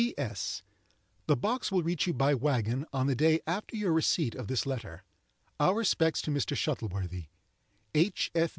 "P.S.—The box will reach you by wagon, on the day after your receipt of this letter. Our respects to Mr. Shuttleworthy. "H.